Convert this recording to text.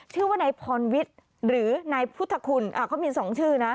ชื่อว่านายพรวิทย์หรือนายพุทธคุณอ่าเขามีสองชื่อนะ